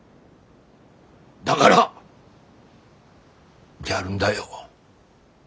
だがらやるんだよ。